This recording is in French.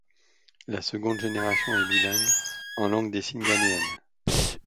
La seconde génération est bilingue en langue des signes ghanéenne.